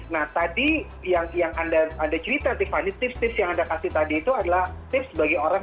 nah tadi yang anda ada cerita tiffany tips tips yang anda kasih tadi itu adalah tips bagi orang